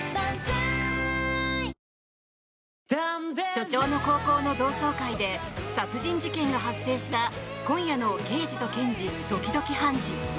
署長の高校の同窓会で殺人事件が発生した今夜の「ケイジとケンジ、時々ハンジ。」。